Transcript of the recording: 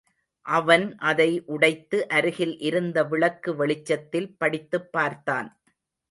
அவன் அதை உடைத்து அருகில் இருந்த விளக்கு வெளிச்சத்தில் படித்துப் பார்த்தான்.